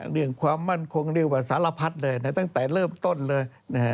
เรื่องความมั่นคงเรียกว่าสารพัดเลยนะตั้งแต่เริ่มต้นเลย